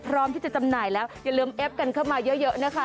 พร้อมที่จะจำหน่ายแล้วอย่าลืมเอฟกันเข้ามาเยอะนะคะ